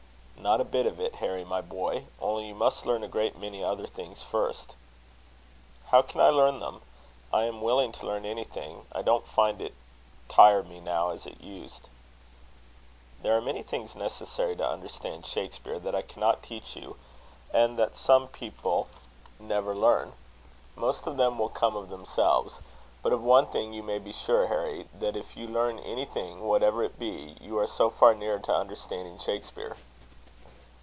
"Not a bit of it, Harry, my boy; only you must learn a great many other things first." "How can I learn them? I am willing to learn anything. I don't find it tire me now as it used." "There are many things necessary to understand Shakspere that I cannot teach you, and that some people never learn. Most of them will come of themselves. But of one thing you may be sure, Harry, that if you learn anything, whatever it be, you are so far nearer to understanding Shakspere."